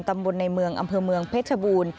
ตำบลในเมืองอำเภอเมืองเพชรบูรณ์